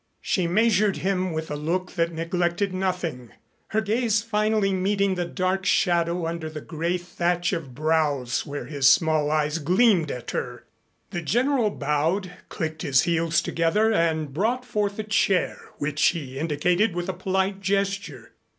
She measured him with a look that neglected nothing, her gaze finally meeting the dark shadow under the gray thatch of brows where his small eyes gleamed at her. The General bowed, clicked his heels together and brought forward a chair, which he indicated with a polite gesture.